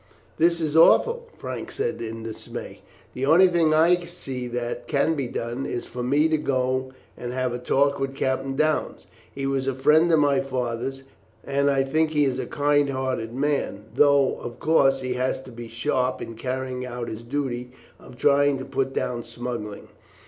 "This is awful," Frank said, in dismay. "The only thing I see that can be done is for me to go and have a talk with Captain Downes. He was a friend of my father's; and I think he is a kind hearted man, though, of course, he has to be sharp in carrying out his duty of trying to put down smuggling.